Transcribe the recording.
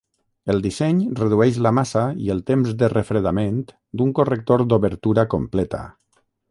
El disseny redueix la massa i el "temps de refredament" d'un corrector d'obertura completa.